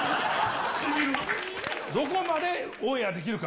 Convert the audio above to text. どこまでオンエアできるか？